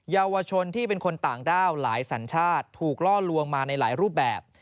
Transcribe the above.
เยาวชนที่เป็นคนต่างด้าวหลายสัญชาติถูกล่อลวงมาในหลายรูปแบบ